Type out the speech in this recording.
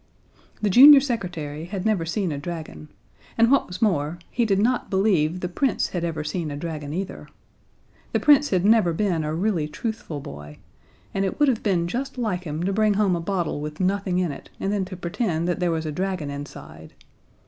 The junior secretary had never seen a dragon, and, what was more, he did not believe the Prince had ever seen a dragon either. The Prince had never been a really truthful boy, and it would have been just like him to bring home a bottle with nothing in it and then to pretend that there was a dragon inside.